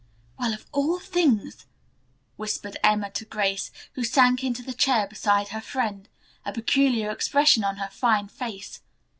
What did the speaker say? "Well, of all things," whispered Emma to Grace, who sank into the chair beside her friend, a peculiar expression on her fine face.